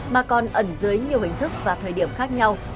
mà còn ẩn dưới nhiều hình thức và thời điểm khác nhau